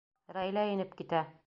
Рәйлә инеп китә.